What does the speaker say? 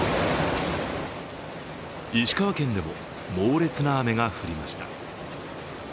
石川県でも猛烈な雨が降りました。